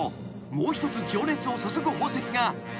［もう一つ情熱を注ぐ宝石が］